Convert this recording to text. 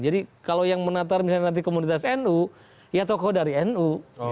jadi kalau yang menatar misalnya nanti komunitas nu ya tokoh dari nu